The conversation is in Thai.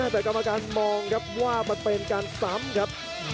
แต่กรรมการมองครับว่ามันเป็นการซ้ำครับ